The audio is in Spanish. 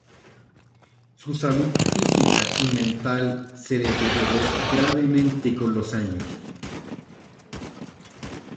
Su salud física y mental se deterioró gravemente con los años.